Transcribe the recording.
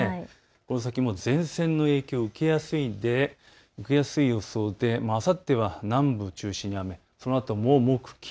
この先も前線の影響を受けやすい予想であさっては南部を中心に雨、そのあとも木金